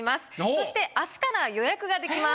そして明日から予約ができます。